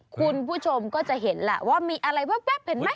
คุณผู้ชมก็จะเห็นแหละว่ามีอะไรแว๊บเห็นไหม